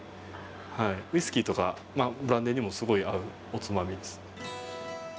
ウイスキーとかブランデーにもすごい合うおつまみです。